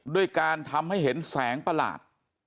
ด้วยการทำให้เห็นแสงประหลาด